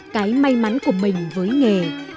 cái may mắn của mình với nghề